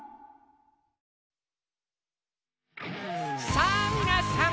さぁみなさん！